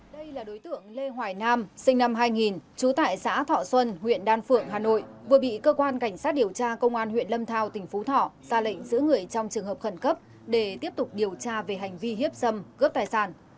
đây là đối tượng lê hoài nam sinh năm hai nghìn trú tại xã thọ xuân huyện đan phượng hà nội vừa bị cơ quan cảnh sát điều tra công an huyện lâm thao tỉnh phú thọ ra lệnh giữ người trong trường hợp khẩn cấp để tiếp tục điều tra về hành vi hiếp dâm cướp tài sản